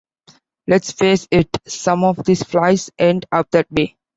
Let's face it, some of these flights end up that way.